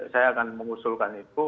saya akan mengusulkan itu